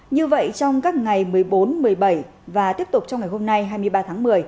như vậy trong các ngày một mươi bốn một mươi bảy và tiếp tục trong ngày hôm nay hai mươi ba tháng một mươi